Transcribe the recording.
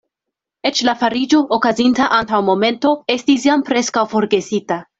Eĉ la fariĝo, okazinta antaŭ momento, estis jam preskaŭ forgesita.